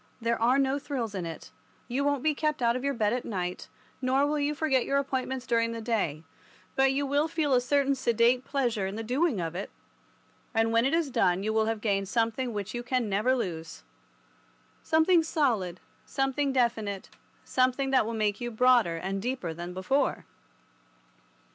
There are no thrills in it. You won't be kept out of your bed at night, nor will you forget your appointments during the day, but you will feel a certain sedate pleasure in the doing of it, and when it is done you will have gained something which you can never lose—something solid, something definite, something that will make you broader and deeper than before.